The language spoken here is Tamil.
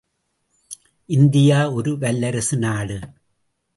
இந்தியா ஒரு வல்லரசு நாடு.